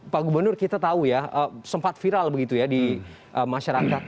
pak gubernur kita tahu ya sempat viral begitu ya di masyarakat